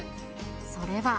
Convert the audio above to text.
それは。